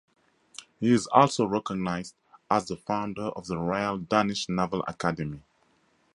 He is also recognized as the founder of the Royal Danish Naval Academy.